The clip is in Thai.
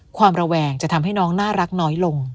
ความระแวงจะทำให้น้องน่ารักน้อยลง